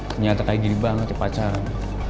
ternyata kayak gini banget di pacaran